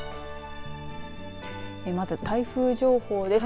まず、台風情報です。